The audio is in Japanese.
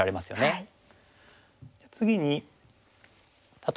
はい。